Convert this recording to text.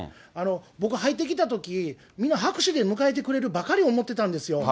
僕、入ってきたとき、皆、拍手で迎えてくれるばかり思ってたんですよ